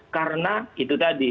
karena itu tadi